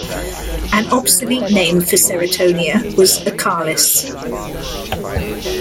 An obsolete name for "Ceratonia" was "Acalis".